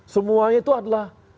semuanya itu adalah